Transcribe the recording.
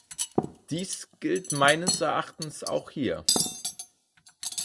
Dies gilt meines Erachtens auch hier.